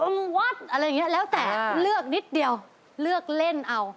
วัดอะไรอย่างนี้แล้วแต่เลือกนิดเดียวเลือกเล่นเอา